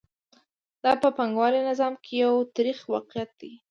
دا په پانګوالي نظام کې یو تریخ واقعیت دی